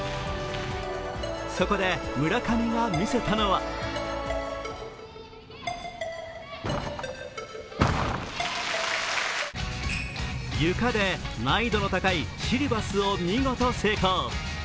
そこで村上が見せたのはゆかで難易度の高いシリバスを見事成功。